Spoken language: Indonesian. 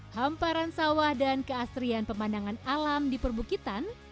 hamparan sawah dan keasrian pemandangan alam di perbukitan